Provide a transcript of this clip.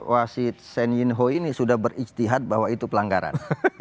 wasid shan yunho ini sudah beristihad bahwa itu pelanggaran